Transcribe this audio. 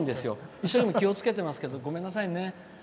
一生懸命気をつけてますけどごめんなさいね。